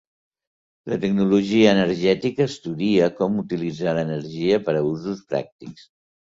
La tecnologia energètica estudia com utilitzar l'energia per a usos pràctics.